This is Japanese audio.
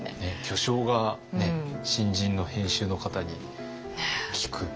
巨匠が新人の編集の方に聞く。